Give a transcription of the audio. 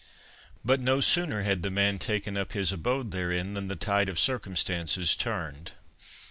But no sooner had the man taken up his abode therein than the tide of circumstances turned.